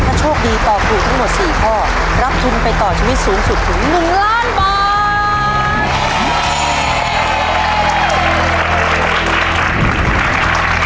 ถ้าโชคดีตอบถูกทั้งหมด๔ข้อรับทุนไปต่อชีวิตสูงสุดถึง๑ล้านบาท